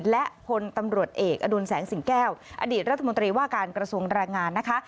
และพลตำรวจเอกอดุลแสงสิงแก้วอดีตรัฐมนตรีว่าการกระทรวงแรงงานนะคะ